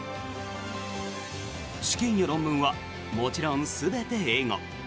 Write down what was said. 試験や論文はもちろん全て英語。